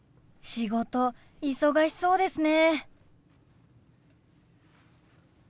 仕事忙しそうですね。